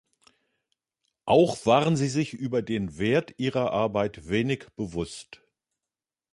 Auch waren sie sich über den Wert ihrer Arbeit wenig bewusst.